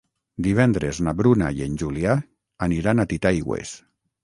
Divendres na Bruna i en Julià aniran a Titaigües.